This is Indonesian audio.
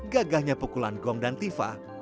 gagahnya pukulan gong dan tifa